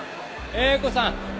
英子さん